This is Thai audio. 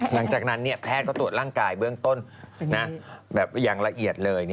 หลังจากนั้นแพทย์ก็ตรวจร่างกายเบื้องต้นแบบอย่างละเอียดเลย